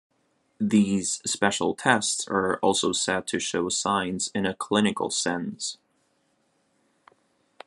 These special tests are also said to show signs in a clinical sense.